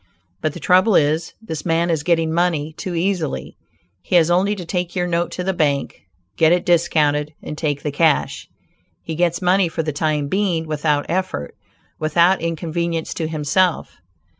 But the trouble is, this man is getting money too easily. He has only to take your note to the bank, get it discounted and take the cash. He gets money for the time being without effort; without inconvenience to himself.